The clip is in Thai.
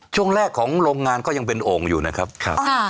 ช่วงแรกของโรงงานก็ยังเป็นโอ่งอยู่นะครับ